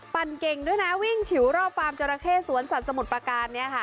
เก่งด้วยนะวิ่งฉิวรอบฟาร์มจราเข้สวนสัตว์สมุทรประการเนี่ยค่ะ